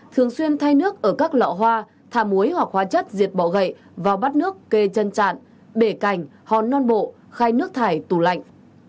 hai thường xuyên thay nước ở các lọ hoa thả muối hoặc hóa chất diệt bọ gậy vào bát nước kê chân trạn bể cành hòn non bộ khai nước thải tủ lạnh